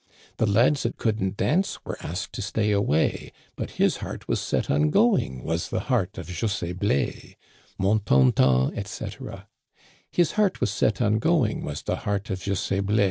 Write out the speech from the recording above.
" The lads that couldn't dance were asked to stay away, But his heart was set on going, was the heart of Jose Blai : Mon ton ton, etc. His heart was set on going, was the heart of José Blai.